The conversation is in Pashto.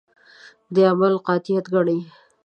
د عمل قاطعیت ګڼي.